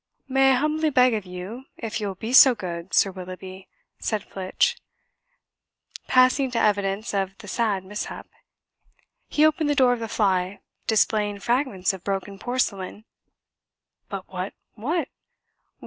"May I humbly beg of you, if you'll be so good, Sir Willoughby," said Flitch, passing to evidence of the sad mishap. He opened the door of the fly, displaying fragments of broken porcelain. "But, what, what!